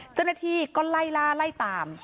เจ้าหน้าที่ก็ไล่ล่าไล่ตาม